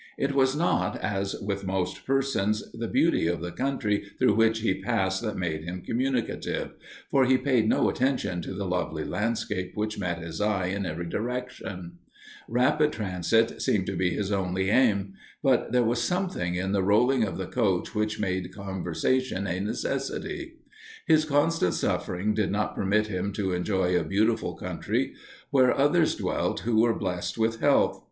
It was not, as with most persons, the beauty of the country through which he passed that made him communicative, for he paid no attention to the lovely landscapes which met his eye in every direction; rapid transit seemed to be his only aim; but there was something in the rolling of the coach which made conversation a necessity. His constant suffering did not permit him to enjoy a beautiful country, where others dwelt who were blessed with health.